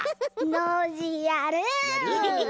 ノージーやる！